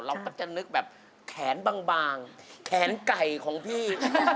เราก็จะนึกแบบแขนบางแขนไก่ของพี่